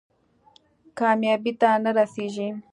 کامیابۍ ته نه رسېږي.